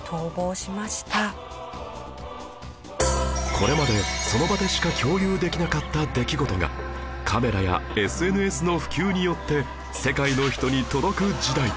これまでその場でしか共有できなかった出来事がカメラや ＳＮＳ の普及によって世界の人に届く時代